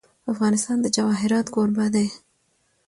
افغانستان د جواهرات کوربه دی.